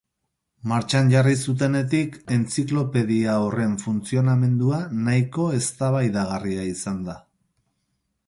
Martxan jarri zutenetik entziklopedia horren funtzionamendua nahiko eztabaidagarria izan da.